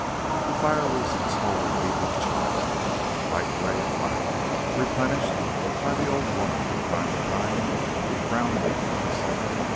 The fire was a smouldering heap of char, light grey and black, replenished by the old women from time to time with brown leaves.